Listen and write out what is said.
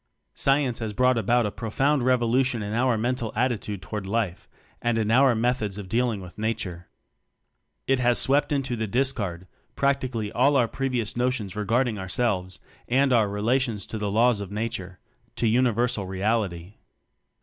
Science has brought about a pro found revolution in our mental atti tude toward life, and in our methods of dealing with nature. It has swept into the discard practically all our pre vious notions regarding ourselves and our relations to the laws of nature to Universal Reality.